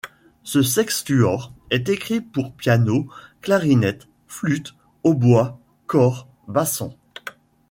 Ce sextuor est écrit pour piano, clarinette, flûte, hautbois, cor, basson.